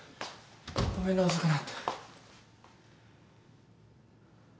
ごめんな遅くなって。